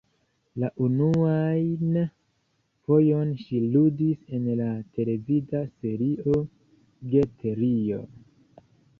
La unuan fojon ŝi ludis en la televida serio "Get Real".